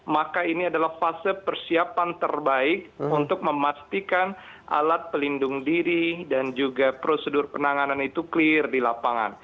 maka ini adalah fase persiapan terbaik untuk memastikan alat pelindung diri dan juga prosedur penanganan itu clear di lapangan